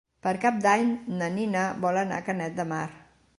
Per Cap d'Any na Nina vol anar a Canet de Mar.